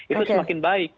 itu semakin baik